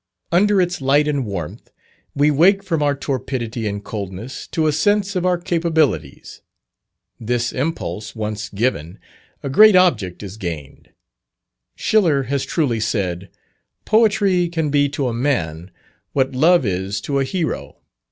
Under its light and warmth, we wake from our torpidity and coldness, to a sense of our capabilities. This impulse once given, a great object is gained. Schiller has truly said, "Poetry can be to a man, what love is to a hero.